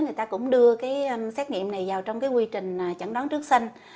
người ta cũng đưa xét nghiệm này vào trong quy trình chẩn đoán trước sinh